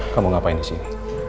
kamu ngapain disini